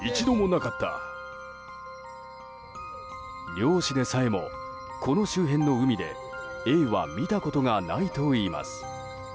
漁師でさえもこの周辺の海でエイは見たことがないといいます。